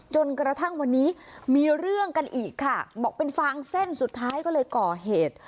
จนกระทั่งวันนี้มีเรื่องกันอีกค่ะบอกเป็นฟางเส้นสุดท้ายก็เลยก่อเหตุ